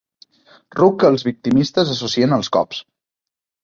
Ruc que els victimistes associen als cops.